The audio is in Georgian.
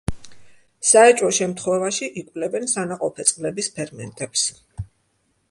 საეჭვო შემთხვევაში იკვლევენ სანაყოფე წყლების ფერმენტებს.